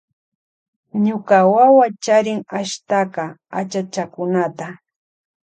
Ñuka wawa charin ashtaka achachakunata.